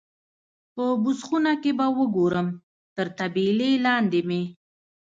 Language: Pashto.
په بوس خونه کې به وګورم، تر طبیلې لاندې مې.